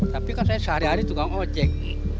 tapi kan saya sehari hari tukang ojek